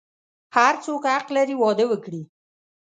هر څوک حق لری واده وکړی